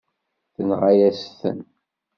Tenɣa-yasen-ten.